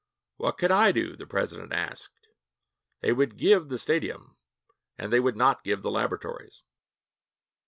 'What could I do?' the president asked. 'They would give the stadium, and they would not give the laboratories.'